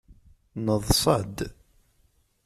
Neḍṣa-d.